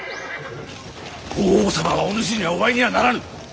法皇様はおぬしにはお会いにはならぬ！